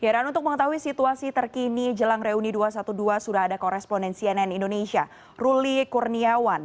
dan untuk mengetahui situasi terkini jelang reuni dua ratus dua belas sudah ada koresponen cnn indonesia ruli kurniawan